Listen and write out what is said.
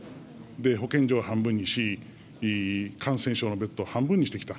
保健所を半分にし、感染症のベッドを半分にしてきた。